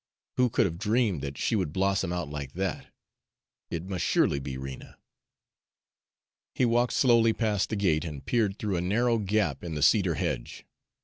"Who could have dreamed that she would blossom out like that? It must surely be Rena!" He walked slowly past the gate and peered through a narrow gap in the cedar hedge.